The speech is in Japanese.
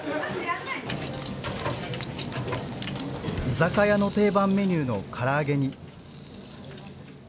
居酒屋の定番メニューのから揚げに。